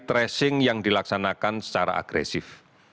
tracing yang dilaksanakan secara agresif